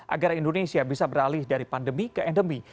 agar indonesia bisa beralih dari pandemi ke endemi